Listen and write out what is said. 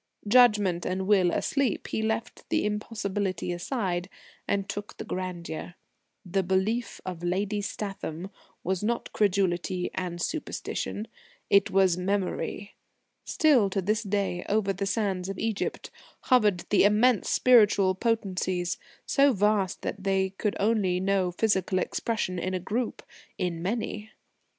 Judgment and will asleep, he left the impossibility aside, and took the grandeur. The Belief of Lady Statham was not credulity and superstition; it was Memory. Still to this day, over the sands of Egypt, hovered immense spiritual potencies, so vast that they could only know physical expression in a group in many.